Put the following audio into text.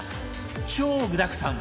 超具だくさん！